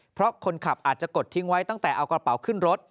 เพราะคนขับอาจจะกดทิ้งไว้ตั้งแต่เอากระเป๋าขึ้นรถ